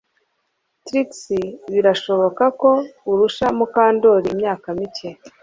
Trix birashoboka ko arusha Mukandoli imyaka mike